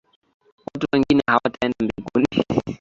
Watu wengine hawataenda mbinguni